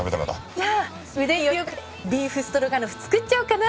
じゃあ腕によりをかけてビーフストロガノフ作っちゃおうかな。